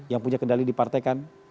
yang punya kendali di partai kan